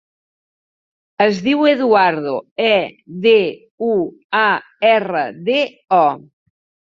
Es diu Eduardo: e, de, u, a, erra, de, o.